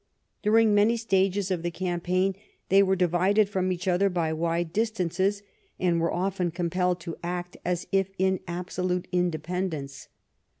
During many stages of the campaign they were di vided from each other by wide distances and were often compelled to act as if in absolute independence.